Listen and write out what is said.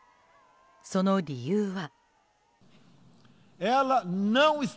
その理由は。